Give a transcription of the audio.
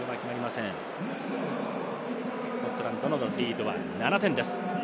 スコットランドのリードは７点です。